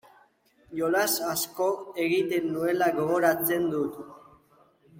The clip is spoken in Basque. Jolas asko egiten nuela gogoratzen dut.